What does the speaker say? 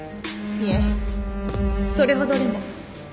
いえそれほどでも。